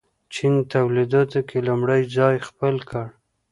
چین تولیداتو کې لومړی ځای خپل کړ.